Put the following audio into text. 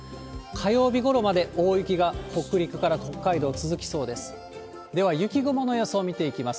火曜日ごろまで大雪が北陸から北海道、続きそうです。